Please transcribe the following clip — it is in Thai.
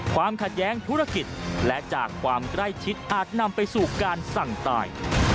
ความขัดแย้งธุรกิจและจากความใกล้ชิดอาจนำไปสู่การสั่งตาย